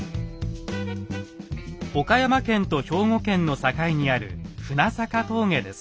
岡山県と兵庫県の境にある船坂峠です。